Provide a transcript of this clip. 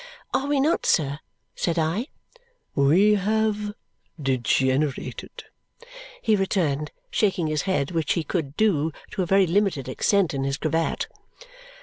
"Are we not, sir?" said I. "We have degenerated," he returned, shaking his head, which he could do to a very limited extent in his cravat.